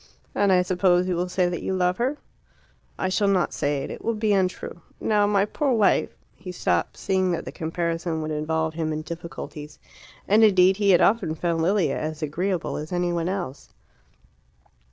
"And I suppose you will say that you love her." "I shall not say it. It will be untrue. Now my poor wife " He stopped, seeing that the comparison would involve him in difficulties. And indeed he had often found Lilia as agreeable as any one else.